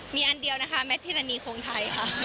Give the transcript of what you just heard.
มีอันเดียวนะคะแมทพิรณีโคงไทยค่ะ